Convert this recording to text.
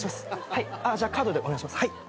はいカードでお願いします。